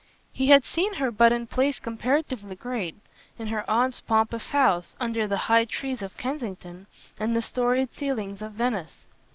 He had seen her but in places comparatively great; in her aunt's pompous house, under the high trees of Kensington and the storied ceilings of Venice.